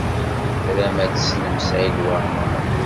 Tram ad tessnem Saɛid Waɛmaṛ?